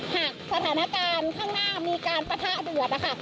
หากสถานการณ์ข้างหน้ามีการปะทะเดือดนะคะ